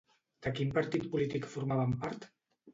De quin partit polític formaven part?